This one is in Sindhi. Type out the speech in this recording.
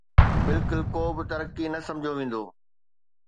بلڪل ڪو به ترقي نه سمجهيو ويندو